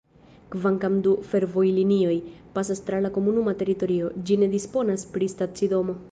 Kvankam du fervojlinioj pasas tra la komunuma teritorio, ĝi ne disponas pri stacidomo.